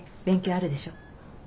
勉強あるでしょ？